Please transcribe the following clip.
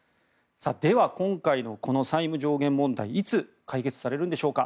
では今回のこの債務上限問題いつ解決されるんでしょうか。